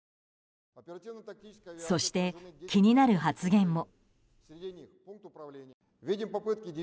そして、気になる発言も。